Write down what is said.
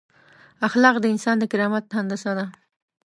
اخلاق د انسان د کرامت هندسه ده.